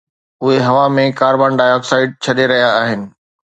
اهي هوا ۾ carbon dioxide ڇڏي رهيا آهن